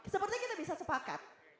seperti kita bisa sepakat